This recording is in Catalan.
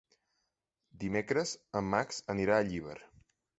Dimecres en Max anirà a Llíber.